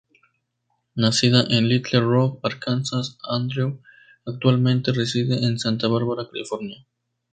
Nacida en Little Rock, Arkansas, Audrey actualmente reside en Santa Bárbara, California.